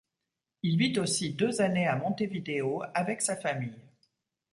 Il vit aussi deux années à Montevideo avec sa famille.